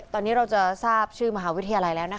ตอนนี้เราจะทราบชื่อมหาวิทยาลัยแล้วนะคะ